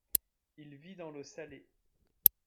Il vit dans l'eau salée.